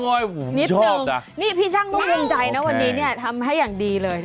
นิดนึงนี่พี่ช่างร่วมใจนะวันนี้เนี่ยทำให้อย่างดีเลย